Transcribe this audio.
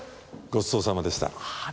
ごちそうさまでした。